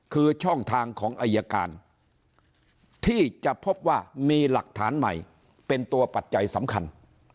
คือช่องทางของอายการที่จะพบว่ามีหลักฐานใหม่เป็นตัวปัจจัยสำคัญ